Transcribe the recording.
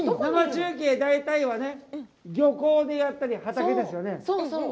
生中継、大体は漁港でやったり、畑ですよね？